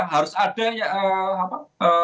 harus ada apa